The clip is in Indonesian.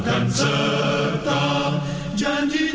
dan mereka tidak cukup